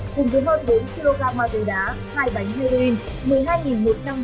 từng đứa hơn bốn kg mát tử đá hai bánh heroin một mươi hai một trăm linh thương mát tử tổng hợp